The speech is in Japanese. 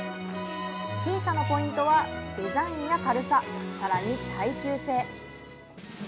審査のポイントは、デザインや軽さ、さらに耐久性。